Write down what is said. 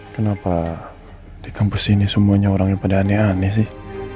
kenapa di kampus ini semuanya orangnya pada aneh aneh sih